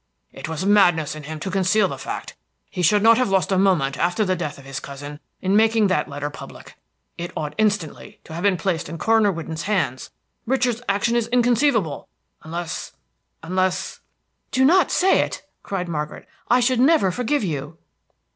"It was madness in him to conceal the fact. He should not have lost a moment, after the death of his cousin, in making that letter public. It ought instantly to have been placed in Coroner Whidden's hands. Richard's action is inconceivable, unless unless" "Do not say it!" cried Margaret. "I should never forgive you!"